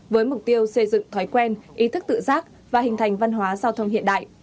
với mục tiêu xây dựng thói quen ý thức tự giác và hình thành văn hóa giao thông hiện đại